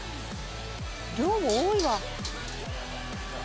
量も多いわ。